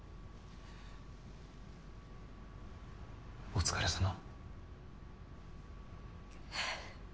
お疲れさま。